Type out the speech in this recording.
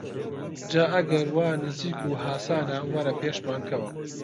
جا ئەگەر وا نزیک و هاسانە وەرە پێشمان کەوە!